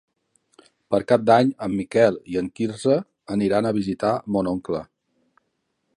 Per Cap d'Any en Miquel i en Quirze aniran a visitar mon oncle.